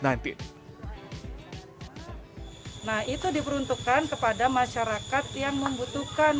nah itu diperuntukkan kepada masyarakat yang membutuhkan